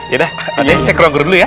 yaudah pak d saya keronggur dulu ya